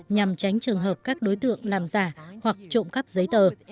nhằm tránh trường hợp các đối tượng làm giả hoặc trộm cắp giấy tờ